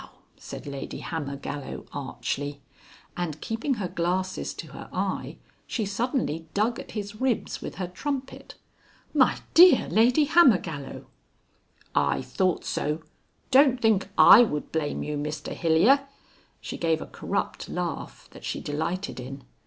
_" said Lady Hammergallow archly, and keeping her glasses to her eye, she suddenly dug at his ribs with her trumpet. "My dear Lady Hammergallow!" "I thought so. Don't think I would blame you, Mr Hilyer." She gave a corrupt laugh that she delighted in.